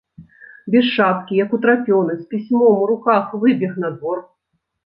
Без шапкі, як утрапёны, з пісьмом у руках выбег на двор.